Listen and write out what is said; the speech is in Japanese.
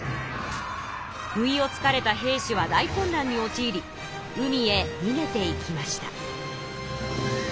不意をつかれた平氏は大混乱におちいり海へにげていきました。